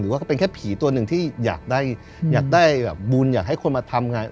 ว่าก็เป็นแค่ผีตัวหนึ่งที่อยากได้บุญอยากให้คนมาทำงาน